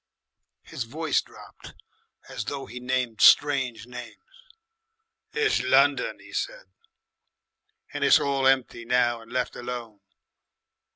His voice dropped as though he named strange names. "It's ," London he said. "And it's all empty now and left alone.